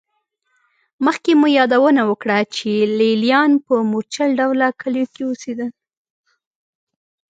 مخکې مو یادونه وکړه چې لېلیان په مورچل ډوله کلیو کې اوسېدل